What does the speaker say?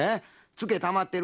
ツケたまってる？